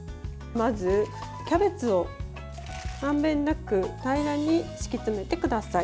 まずキャベツをまんべんなく平らに敷き詰めてください。